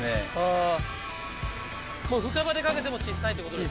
あもう深場でかけても小さいってことですか？